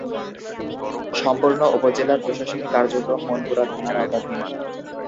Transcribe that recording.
সম্পূর্ণ উপজেলার প্রশাসনিক কার্যক্রম মনপুরা থানার আওতাধীন।